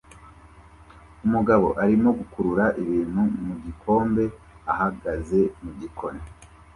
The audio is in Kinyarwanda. Umugabo arimo gukurura ibintu mu gikombe ahagaze mu gikoni